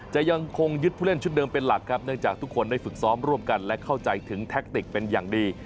จะยังคงยึดผู้เล่นชุดเดิมเป็นหลักครับเนื่องจากทุกคนได้ฝึกซ้อมร่วมกันและเข้าใจถึงแทคติกเป็นอย่างดี